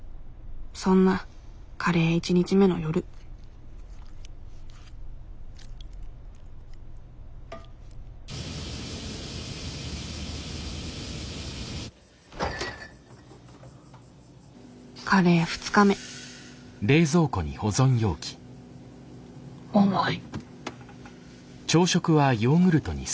そんなカレー１日目の夜カレー２日目重い。